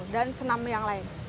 dan senam yang lain